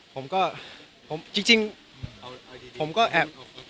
ผมก็ผมจริงผมก็แอบ